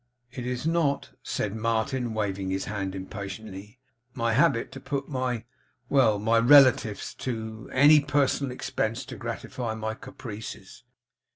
'It is not,' said Martin, waving his hand impatiently, 'my habit to put my well! my relatives to any personal expense to gratify my caprices.